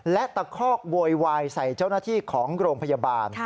และตะคอกโวยวายใส่เจ้าหน้าที่ของโรงพยาบาล